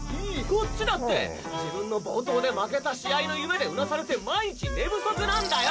こっちだって自分の暴投で負けた試合の夢でうなされて毎日寝不足なんだよ！